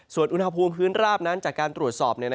ส่วนอุณหภูมิพื้นราบนั้นจากการตรวจสอบ